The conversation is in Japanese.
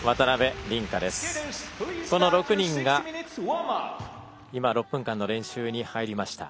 この６人が、今６分間の練習に入りました。